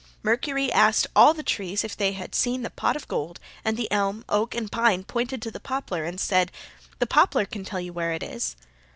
Mercury asked all the trees if they had seen the pot of gold, and the elm, oak and pine pointed to the poplar and said, "'The poplar can tell you where it is.